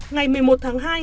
ngày một mươi một tháng hai